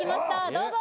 どうぞ。